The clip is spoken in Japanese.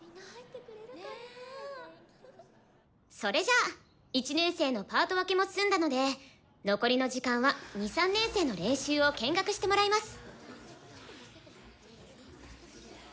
それじゃあ１年生のパート分けも済んだので残りの時間は２３年生の練習を見学してもらいます。